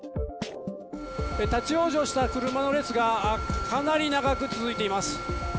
立往生した車の列が、かなり長く続いています。